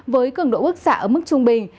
với cường độ bức xạ ấm mức trung bình